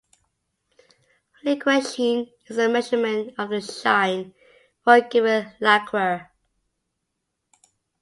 Lacquer sheen is a measurement of the shine for a given lacquer.